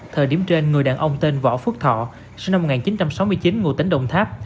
thời điểm trên người đàn ông tên võ phước thọ sinh năm một nghìn chín trăm sáu mươi chín ngụ tính đồng tháp